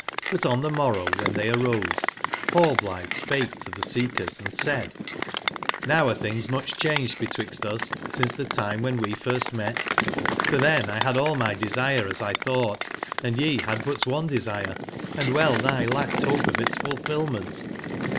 But on the morrow when they arose, nallblithe spake to the Seekers, and said: ''J^oware things much changed betwixt us since the time when we first met : for then 1 had all my desire, as 1 thought, andye had but one desire, and well/nigh lacked hope of its fulfilment.